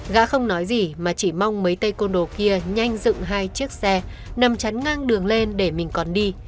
gã không nói gì mà chỉ mong mấy tây côn đồ kia nhanh dựng hai chiếc xe nằm chắn ngang đường lên để mình còn đi